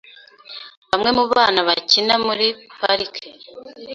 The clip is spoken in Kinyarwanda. Bamwe mu bana bakina muri parike.